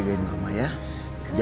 aku akan selalu berdoa